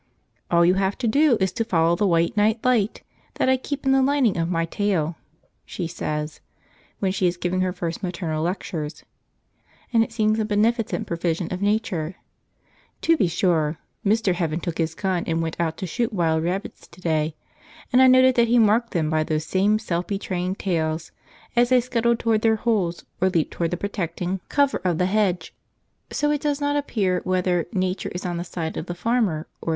"All you have to do is to follow the white night light that I keep in the lining of my tail," she says, when she is giving her first maternal lectures; and it seems a beneficent provision of Nature. To be sure, Mr. Heaven took his gun and went out to shoot wild rabbits to day, and I noted that he marked them by those same self betraying tails, as they scuttled toward their holes or leaped toward the protecting cover of the hedge; so it does not appear whether Nature is on the side of the farmer or the rabbit